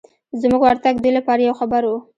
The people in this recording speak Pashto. زموږ ورتګ دوی لپاره یو خبر و.